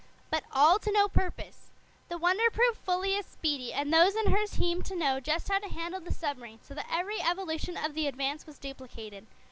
But all to no purpose. The Wonder proved fully as speedy, and those in her seemed to know just how to handle the submarine, so that every evolution of the Advance was duplicated.